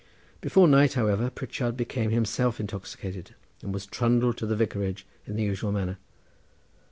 Before night, however, Pritchard became himself intoxicated, and was trundled to the vicarage in the usual manner.